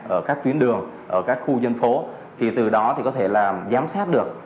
ở các tuyến đường ở các khu dân phố thì từ đó thì có thể làm giám sát được